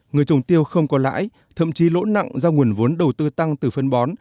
người trồng tiêu không có lãi thậm chí lỗ nặng do nguồn vốn đầu tư tăng từ phân bón